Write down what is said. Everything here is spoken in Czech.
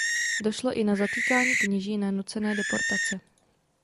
Došlo i na zatýkání kněží a na nucené deportace.